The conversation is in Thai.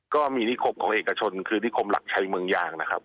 ก็มีนิคมของเอกชนคือนิคมหลักชัยเมืองยางนะครับ